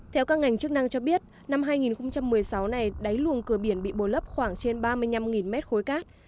theo các ngành chức năng cho biết năm hai nghìn một mươi sáu này đáy luồng cửa biển bị bồi lấp khoảng trên ba mươi năm mét khối cát